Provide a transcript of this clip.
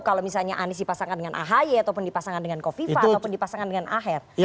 kalau misalnya anies dipasangkan dengan ahy ataupun dipasangkan dengan kofifa ataupun dipasangkan dengan aher